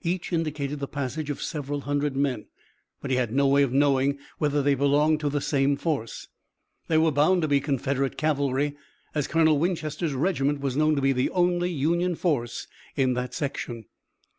Each indicated the passage of several hundred men, but he had no way of knowing whether they belonged to the same force. They were bound to be Confederate cavalry as Colonel Winchester's regiment was known to be the only Union force in that section.